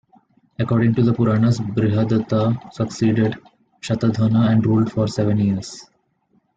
According to the Puranas, Brihadratha succeeded Shatadhanvan and ruled for seven years.